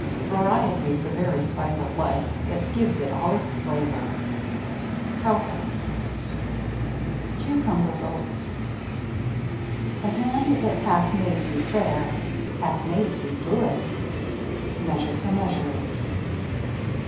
Variety's the very spice of life That gives it all its flavor. — Corvper. ^■ f^ 3/ Mf^^mt^ Mtttiptu NJP CUCUMBER BOATS The hand that hath made you fair, hath made you good. — Measure for Measure.